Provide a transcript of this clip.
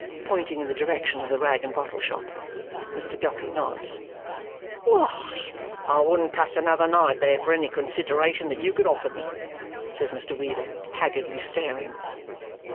pointing in the direction of the rag and bottle shop. Mr. Guppy nods. "Why, I wouldn't pass another night there for any consideration that you could offer me," says Mr. Weevle, haggardly staring.